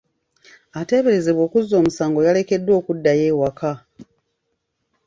Ateeberezebwa okuzza omusango yalekeddwa okuddayo ewaka.